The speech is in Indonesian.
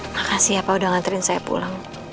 makasih ya pak sudah mengantarin saya pulang